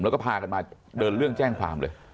แล้วก็พากันมาเดินเรื่องแจ้งความเลย